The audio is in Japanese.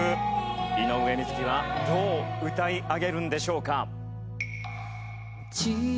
井上瑞稀はどう歌い上げるんでしょうか？